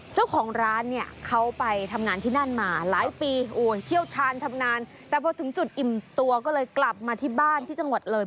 เจ้าของร้านเนี่ยเขาไปทำงานที่นั่นมาหลายปีโอ้เชี่ยวชาญชำนาญแต่พอถึงจุดอิ่มตัวก็เลยกลับมาที่บ้านที่จังหวัดเลย